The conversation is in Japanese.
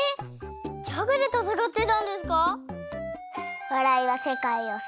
ギャグでたたかってたんですか？